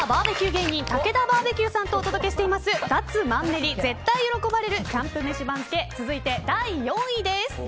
芸人たけだバーベキューさんとお届けしています、脱マンネリ絶対喜ばれるキャンプ飯番付続いて第４位です。